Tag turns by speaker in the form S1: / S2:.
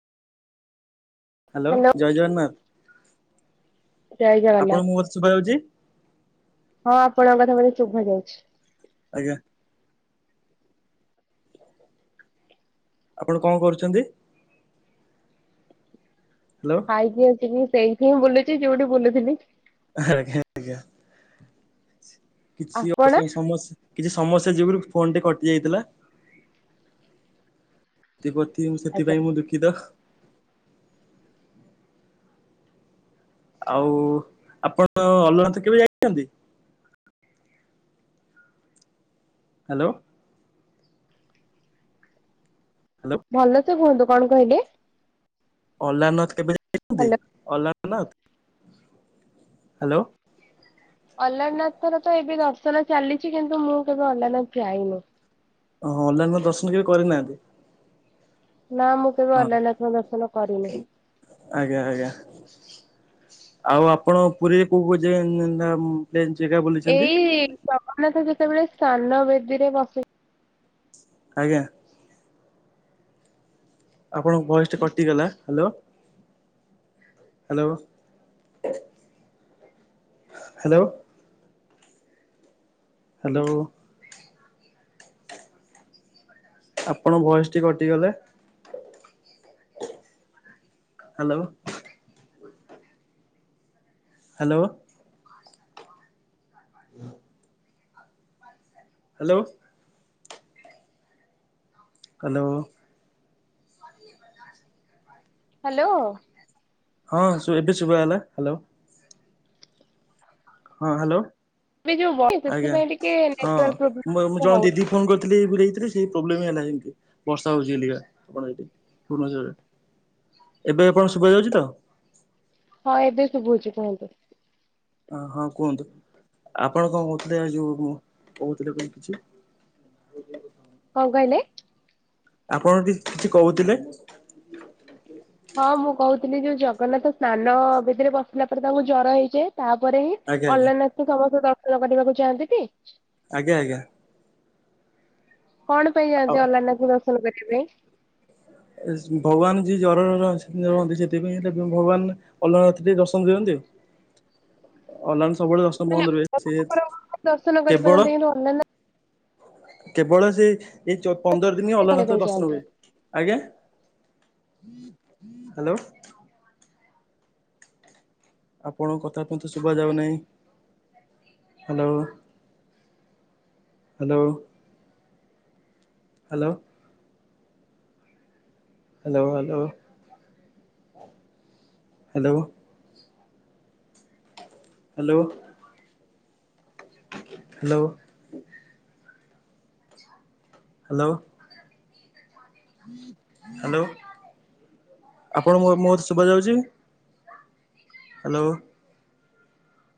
S1: Hello ଜୟ ଜଗନ୍ନାଥ।
S2: ଜୟ
S1: ଆପଣଙ୍କୁ ମୋ କଥା ଶୁଭା ଯାଉଛି?
S2: ଜଗନ୍ନାଥ ହଁ ଆପଣଙ୍କ କଥା ମତେ ଶୁଭା ଯାଉଛି।
S1: ଆଜ୍ଞା। ଆପଣ କଣ କରୁଛନ୍ତି? ହ୍ୟାଲୋ।
S2: ଖାଇକି ଆସିଲି ସେଇଠିଁ ବୁଲୁଛି ଯୋଉଠି ବୁଲୁଥିଲି।
S1: ଆଜ୍ଞା ଆଜ୍ଞା। କିଛି
S2: ଆପଣ
S1: ସମ କିଛି ସମସ୍ୟା ଯୋଗରୁ ଫୋନ ଟି କଟି ଯାଇଥିଲା। ସେଥିପତି
S2: ଆଜ୍ଞା।
S1: ସେଥିପାଇଁ ମୁଁ ଦୁଃଖୀତ। ଆଉ ଆପଣ ଅଲରନାଥ କେବେ ଯାଇଛନ୍ତି। ହ୍ୟାଲୋ। ହ୍ୟାଲୋ
S2: ଭଲ ସେ କୁହନ୍ତୁ କଣ କହିଲେ?
S1: ଅଲରାନାଥ କେବେ ଯାଇଛନ୍ତି
S2: hello.
S1: Alarnath? Hello.
S2: Alarnath ର ତ ଏବେ ଦର୍ଶନ ଚାଲିଛି କିନ୍ତୁ ମୁଁ କେବେ ଅଲାରନାଥ ଯାଇନି।
S1: ଓଁ ଅଲାରନାଥ ଦର୍ଶନ କେବେ କରିନାହାନ୍ତି?
S2: ନା ମୁଁ କେବେ
S1: ହଁ
S2: ଅଲନାଥଙ୍କ ଦର୍ଶନ କରିନି।
S1: ଆଜ୍ଞା ଆଜ୍ଞା ଆଉ ଆପଣ ପୁରୀରେ କୋଉ [unintelligible] ଦେନ ଜାଗା ବୁଲିଲି।
S2: ଏଇ ଜଗନ୍ନାଥ ଯେତେବେଳେ ସ୍ନାନ ବେଦୀରେ ବସି
S1: ଆଜ୍ଞା। ଆପଣଙ୍କ ଭଏସ ଟା କଟିଗଲା ହାଲୋ। Hello hello. ହାଲୋ। ଆପଣଙ୍କ ଭଏସ ଟି କଟିଗଲା? Hello. Hello. Hello. Hello.
S2: Hello.
S1: ହଁ ଏବେ ଶୁବା ଗଲା ହାଲୋ। ହଁ ହାଲୋ।
S2: ଏଇ ଯୋଉ ବର୍ଷା ସେଥିପାଇଁ ଟିକେ
S1: ହଁ
S2: ନେଟୱାର୍କ
S1: ମୁଁ
S2: ପ୍ରୋବ୍ଲେମ ହଉଚି।
S1: [unintelligible] ସେଇ ପ୍ରୋବ୍ଲେମ ହେଲା ସେମିତି ବର୍ଷା ହଉଚି ବୋଲିକା ଆପଣ ସେଠି ପୂର୍ଣ୍ଣଛେଦ ଏବେ ଆପଣଙ୍କୁ ଶୁବା ଯାଉଛି ତ?
S2: ହଁ ଏବେ ଶୁବୁଚି ତାହା ହେଲେ।
S1: ହଁ ହଁ କୁହନ୍ତୁ ଆପଣ କଣ କହୁଥିଲେ ଯୋଉ କହୁଥିଲେ କଣ କିଛି?
S2: କଣ କହିଲେ?
S1: ଆପଣ ପ୍ଲିଜ୍ କିଛି କହୁଥିଲେ?
S2: ହଁ ମୁଁ କହୁଥିଲି ଯୋଉ ଜଗନ୍ନାଥ ସ୍ନାନ ବେଦୀରେ ବସିଲା ପରେ ତାଙ୍କୁ ଜର ହେଇଯାଏ ତାପରେ ହିଁ
S1: ଆଜ୍ଞା ଆଜ୍ଞା
S2: ଥିଲାରନାଥଙ୍କୁ ସମସ୍ତେ ଦର୍ଶନ କରିବାକୁ ଚାହାନ୍ତି ଟି?
S1: ଆଜ୍ଞା ଆଜ୍ଞା।
S2: କଣ ପାଇଁ
S1: ଆଉ
S2: ଯାଆନ୍ତି ଅଲାନାଥ ଦର୍ଶନ କରିବା ପାଇଁ?
S1: ଭଗବାନ ଯିଏ ଜରରେ ରହନ୍ତି [unintelligible] ଏଟା ଭଗବାନ ଅଲାରନାଥ ଟିକେ ଦର୍ଶନ ଦିଅନ୍ତେ। ଅଲାରନାଥ ସବୁବେଳ ଦର୍ଶନ
S2: ମାନେ
S1: ବନ୍ଦ୍ ରୁହେ
S2: ଅଲଗା
S1: ସେ
S2: ଠାକୁରଙ୍କୁ ଦର୍ଶନ
S1: କେବଳ
S2: କରିପାରନ୍ତି କିନ୍ତୁ ଅଲାରନାଥ
S1: କେବଳ ସେଇ ଏଇ ଚ ପନ୍ଦର ଦିନ ଅଲନାଥ
S2: ପାଇଁ
S1: ଦର୍ଶନ
S2: ଯାଆନ୍ତି?
S1: ହୁଏ। ଆଜ୍ଞା ହାଲୋ। ଆପଣ କଥା ତ ଶୁବାଯାଉନାହିଁ hello. Hello. Hello. Hello hello. Hello. Hello. Hello. Hello. Hello ଆପଣ ମୋ ମୋ ଶୁବା ଯାଉଛି? ହାଲୋ।